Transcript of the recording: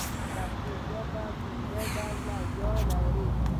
پښتو ژبه پنځه ډوله ي لري.